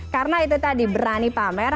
karena itu tadi berani pamer